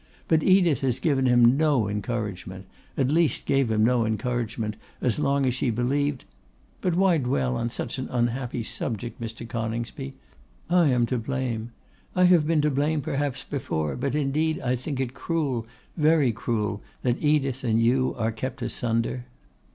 But Edith has given him no encouragement, at least gave him no encouragement as long as she believed; but why dwell on such an unhappy subject, Mr. Coningsby? I am to blame; I have been to blame perhaps before, but indeed I think it cruel, very cruel, that Edith and you are kept asunder.